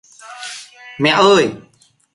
Mẹ ơi